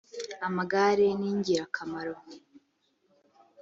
amagare ningirakamaro.